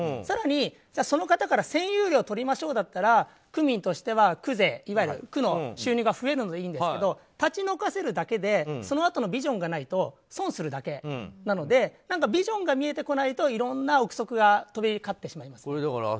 更に、その方から占用料をとりましょうだったら区民としては区税区の収入が増えるのでいいんですけど立ち退かせるだけでそのあとのビジョンがないと損するだけなのでビジョンが見えてこないといろんな憶測が飛び交ってしまいますね。